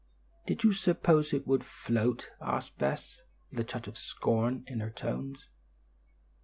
"Did you suppose it would float?" asked Bess, with a touch of scorn in her tones.